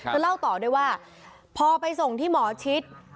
เล่าต่อด้วยว่าพอไปส่งที่หมอชิด